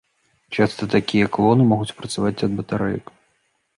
Часта такія клоны могуць працаваць ад батарэек.